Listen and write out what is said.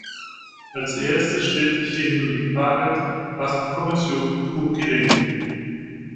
Als erstes stellt sich hier nun die Frage, was die Kommission zu tun gedenkt.